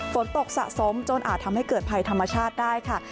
ฝนตกสะสมจนอาจทำให้เกิดภัยธรรมชาติได้ค่ะ